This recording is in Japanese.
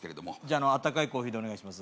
あのあったかいコーヒーでお願いします